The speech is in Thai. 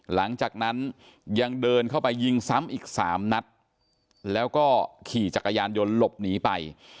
หลังจากนั้นยังเดินเข้าไปยิงซ้ำอีกสามนัดแล้วก็ขี่จักรยานยนต์หลบหนีไป